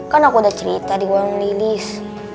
kan aku udah cerita di uang lilis